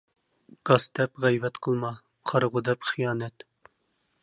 گاس دەپ غەيۋەت قىلما، قارىغۇ دەپ خىيانەت.